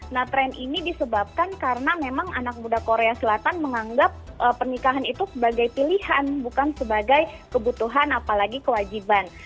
nah tren ini disebabkan karena memang anak muda korea selatan menganggap pernikahan itu sebagai pilihan bukan sebagai kebutuhan apalagi kewajiban